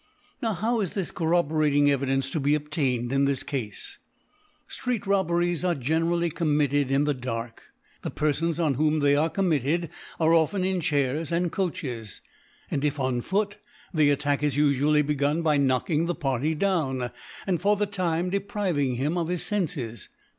Now how is this corroborating Evidence to be obtained in this Cafe ? Street Robbe* ries are generally committed in the dark, the Perfons on whom they are committed are often in Chairs and Coaches, and if on Foot, the Attack is ufually begun by knock ing the Party down, and for the Time depriving him of his Senfcs.